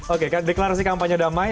oke deklarasi kampanye damai